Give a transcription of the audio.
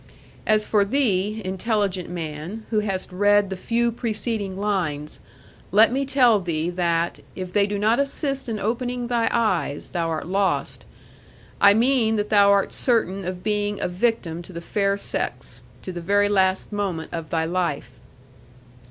As for thee, intelligent man, who hast read the few preceding lines, let me tell thee that, if they do not assist in opening thy eyes, thou art lost; I mean that thou art certain of being a victim to the fair sex to the very last moment of thy life.